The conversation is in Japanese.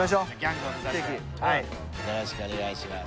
よろしくお願いします。